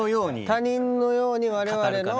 他人のように我々の。